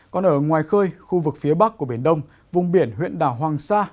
còn ở ngoài khơi khu vực phía bắc của biển đông vùng biển huyện đảo hoàng sa